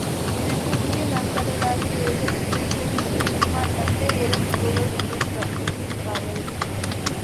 எனக்கு உயிர் நண்பர்களாகிய இவர்கள் இத்தனை பேர் இங்கிருந்துமா தத்தையை இறந்துபோக விட்டிருப்பார்கள்?